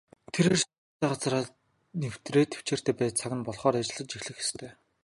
Тэрээр шаардлагатай газраа нэвтрээд тэвчээртэй байж цаг нь болохоор ажиллаж эхлэх ёстой.